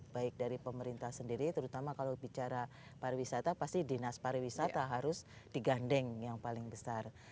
baik dari pemerintah sendiri terutama kalau bicara pariwisata pasti dinas pariwisata harus digandeng yang paling besar